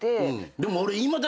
でも俺。